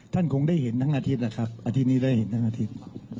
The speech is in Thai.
ท่านคงได้เห็นทั้งอาทิตย์แหละครับอาทิตย์นี้ได้เห็นทั้งอาทิตย์